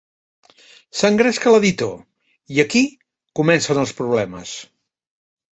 S'engresca l'editor—, i aquí comencen els problemes.